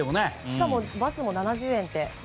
しかも運賃も７０円って。